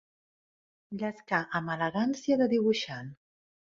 Llescar amb elegància de dibuixant.